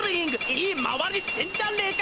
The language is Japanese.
いい回りしてんじゃねえか！